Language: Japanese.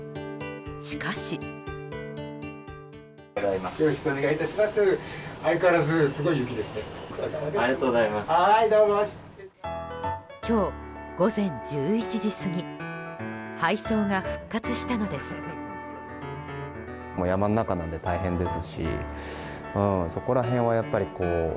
しかし。今日午前１１時過ぎ配送が復活したのです。